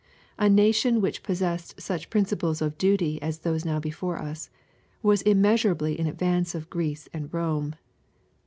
A nation which possessed such principles of duty as those now before us, was immeasurably in. advance of Greece and Bome.